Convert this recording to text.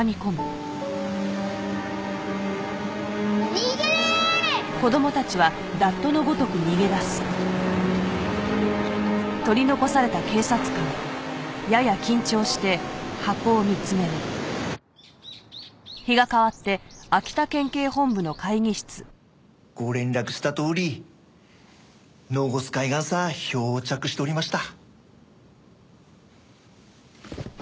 逃げれ！ご連絡したとおり能越海岸さ漂着しておりました。